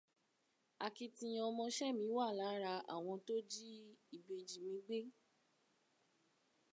Akitiyan ọmọ'ṣẹ́ mi wà lára àwọn tó jí ìbejì mi gbé.